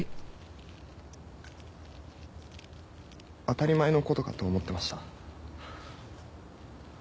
当たり前のことかと思ってました。